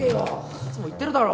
いつも言ってるだろ。